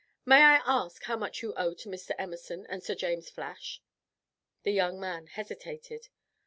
May I ask how much you owe to Mr. Emerson and Sir James Flash?" The young man hesitated.